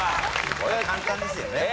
これは簡単ですよね。